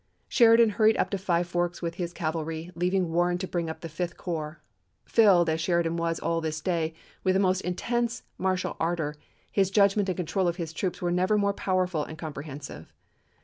2 Sheridan hurried up to Five Forks with his cav alry, leaving Warren to bring up the Fifth Corps. Filled, as Sheridan was all this day, with the most intense martial ardor, his judgment and control of his troops were never more powerful and compre hensive.